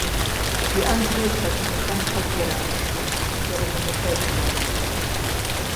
ЖыӀэн хуейщ адыгэхэм куэд зэрамышхыр, зэрымыныбаблэр.